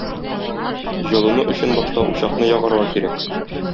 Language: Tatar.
Җылыну өчен башта учакны ягарга кирәк.